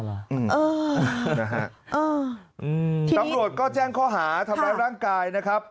ตำรวจก็แจ้งข้อหาทำร้ายร่างกายนะครับ